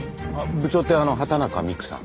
部長って畑中美玖さん？